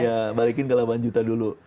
ya balikin ke delapan juta dulu